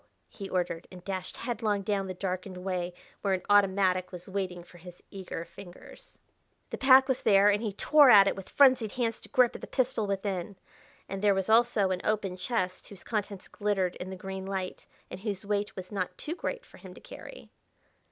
he ordered, and dashed headlong down the darkened way where an automatic was waiting for his eager fingers. The pack was there, and he tore at it with frenzied hands to grip at the pistol within. And there was also an open chest whose contents glittered in the green light, and whose weight was not too great for him to carry....